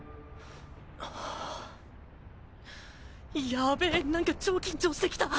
やべぇなんか超緊張してきた。